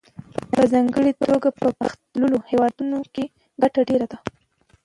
په ځانګړې توګه په پرمختللو هېوادونو کې ګټه ډېره ده